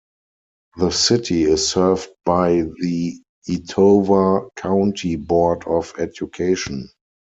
The city is served by the Etowah County Board of Education.